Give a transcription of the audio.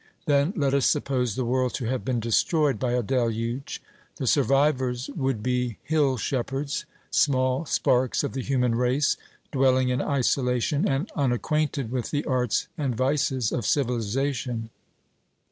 Then let us suppose the world to have been destroyed by a deluge. The survivors would be hill shepherds, small sparks of the human race, dwelling in isolation, and unacquainted with the arts and vices of civilization.